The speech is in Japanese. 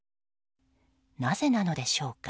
なぜなのでしょうか。